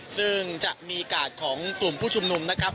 ซึ่งจะมีกาดของกลุ่มผู้ชุมนุมนะครับ